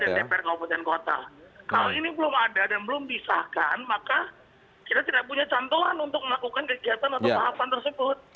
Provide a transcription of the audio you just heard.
kalau ini belum ada dan belum disahkan maka kita tidak punya cantolan untuk melakukan kegiatan atau tahapan tersebut